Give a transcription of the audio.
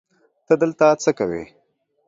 ته دلته څه کوی